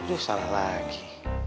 aduh salah lagi